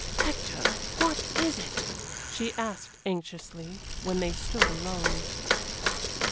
"Hector, what is it?" she asked, anxiously, when they stood alone.